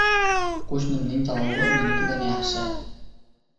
• Qo‘shnimning tovug‘i menikidan yaxshi.